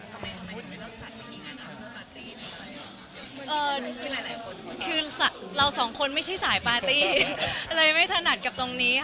คือเรา๒คนไม่ใช่สายปาร์ตี้